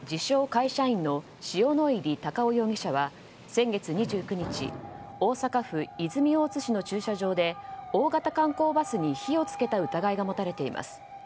会社員の塩野入隆夫容疑者は先月２９日大阪府泉大津市の駐車場で大型観光バスに火を付けた疑いが持たれています。